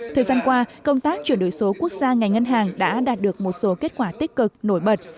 thời gian qua công tác chuyển đổi số quốc gia ngành ngân hàng đã đạt được một số kết quả tích cực nổi bật